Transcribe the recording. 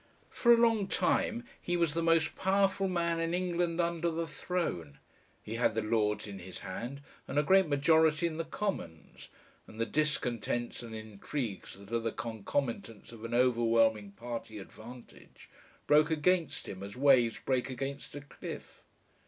For a long time he was the most powerful man in England under the throne; he had the Lords in his hand, and a great majority in the Commons, and the discontents and intrigues that are the concomitants of an overwhelming party advantage broke against him as waves break against a cliff.